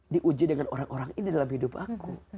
diuji dengan orang orang ini dalam hidup aku